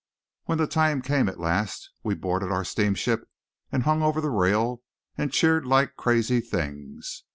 When the time at last came, we boarded our steamship, and hung over the rail, and cheered like crazy things.